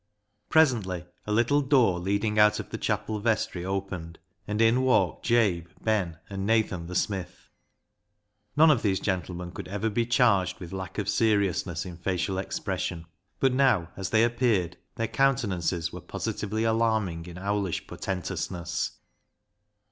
Presently a little door leading out of the chapel vestry opened, and in walked Jabe, Ben, and Nathan the smith. None of these gentle men could ever be charged with lack of serious ness in facial expression, but now, as they appeared, their countenances were positively alarming in owlish portentousness.